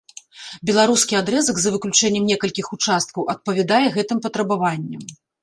Беларускі адрэзак, за выключэннем некалькіх участкаў, адпавядае гэтым патрабаванням.